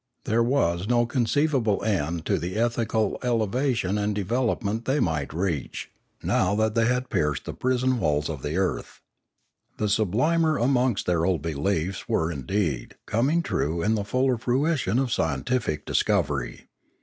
There was no conceivable end to the ethical elevation and development tbey might reach, now that they had pierced the prison walls of the earth. The sublimer amongst their old beliefs were, indeed, coming true in the fuller fruition of scientific discovery.